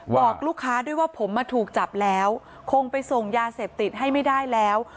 บอกลูกค้าด้วยว่าผมมาถูกจับแล้วคงไปส่งยาเสพติดให้ไม่ได้แล้ว